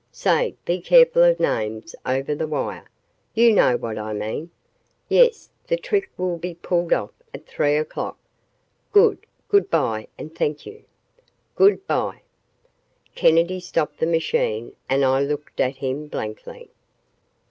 "Say be careful of names over the wire." "You know what I mean." "Yes, the trick will be pulled off at three o'clock. "Good! Good bye and thank you!" "Good bye." Kennedy stopped the machine and I looked at him blankly.